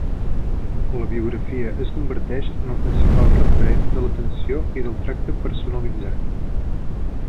La biografia es converteix en el principal referent de l'atenció i del tracte personalitzat.